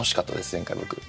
前回僕。